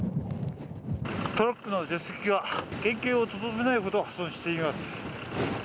トラックの助手席が原形をとどめないほど破損しています。